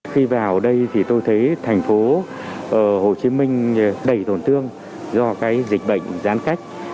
khi vào đây thì tôi thấy thành phố hồ chí minh đầy tổn thương do cái dịch bệnh gián cách